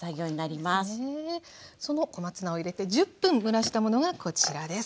その小松菜を入れて１０分蒸らしたものがこちらです。